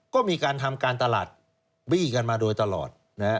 ก็มีการทำการตลาดบี้กันมาโดยตลอด